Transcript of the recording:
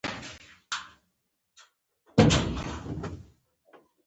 د مځکې ځینې سیمې ډېر بارانونه لري.